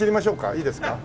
いいですか？